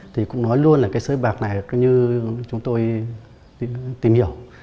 thì cũng nói luôn là cái sới bạc này như chúng tôi tìm hiểu